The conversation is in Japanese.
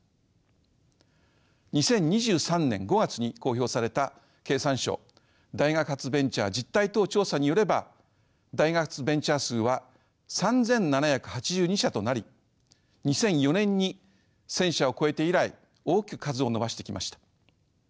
２０２３年５月に公表された経産省大学発ベンチャー実態等調査によれば大学発ベンチャー数は３，７８２社となり２００４年に１，０００社を超えて以来大きく数を伸ばしてきました。